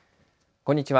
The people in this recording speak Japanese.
こんにちは。